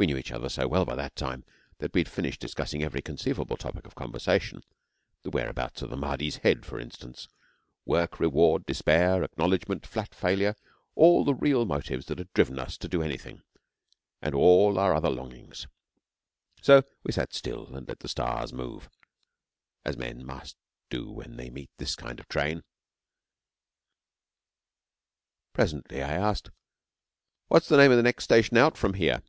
We knew each other so well by that time, that we had finished discussing every conceivable topic of conversation the whereabouts of the Mahdi's head, for instance work, reward, despair, acknowledgment, flat failure, all the real motives that had driven us to do anything, and all our other longings. So we sat still and let the stars move, as men must do when they meet this kind of train. Presently I asked: 'What is the name of the next station out from here?'